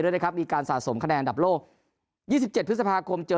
ด้วยนะครับมีการสะสมคะแนนดับโลกยี่สิบเจ็ดพฤษภาคมเจอ